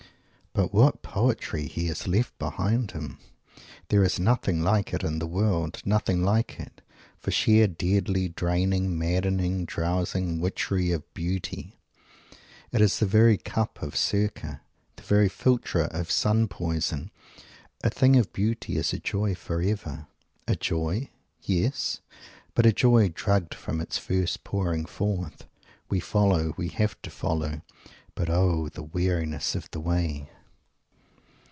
But what Poetry he has left behind him! There is nothing like it in the world. Nothing like it, for sheer, deadly, draining, maddening, drowsing witchery of beauty. It is the very cup of Circe the very philtre of Sun poison. "A thing of Beauty is a Joy forever"! A Joy? Yes but a Joy drugged from its first pouring forth. We follow. We have to follow. But, O the weariness of the way!